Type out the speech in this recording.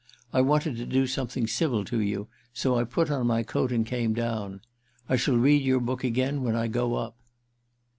I wanted to do something civil to you, so I put on my coat and came down. I shall read your book again when I go up."